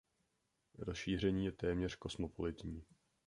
Rozšíření je téměř kosmopolitní.